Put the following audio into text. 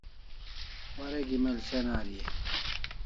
Warek email send Ari e?